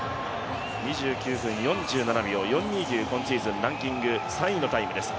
２９分４７秒４２という今シーズンランキング３位のタイムです。